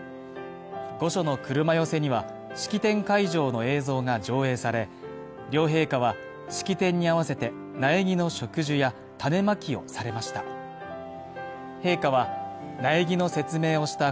御所の車寄せには、式典会場の映像が上映され、両陛下は、式典に合わせて苗木の植樹や種まきをされました。